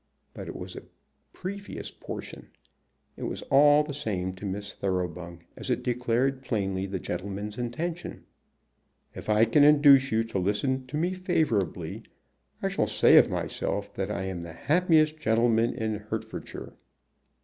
But it was a previous portion. It was all the same to Miss Thoroughbung, as it declared plainly the gentleman's intention. "If I can induce you to listen to me favorably, I shall say of myself that I am the happiest gentleman in Hertfordshire."